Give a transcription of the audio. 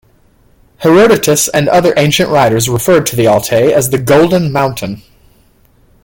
Herodotus and other ancient writers referred to the Altay as "the golden mountain".